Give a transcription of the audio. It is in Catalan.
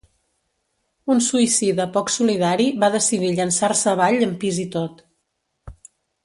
Un suïcida poc solidari va decidir llançar-se avall amb pis i tot.